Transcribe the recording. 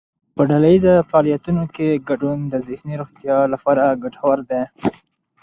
په ډلهییز فعالیتونو کې ګډون د ذهني روغتیا لپاره ګټور دی.